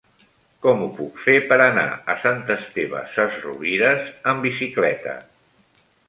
Com ho puc fer per anar a Sant Esteve Sesrovires amb bicicleta?